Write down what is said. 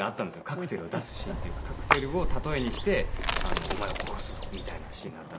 カクテルを出すシーンっていうかカクテルを例えにしてお前を殺すぞみたいなシーンがあったんですけど。